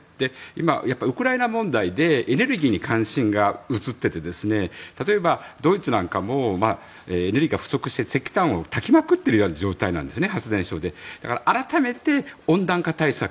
今、ウクライナ問題でエネルギーに関心が移っていて例えばドイツなんかもエネルギーが不足して石炭をたきまくっているような状態なんですね。